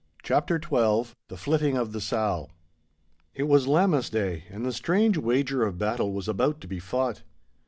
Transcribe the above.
*CHAPTER XII* *THE FLITTING OF THE SOW* It was Lammas day, and the strange wager of battle was about to be fought.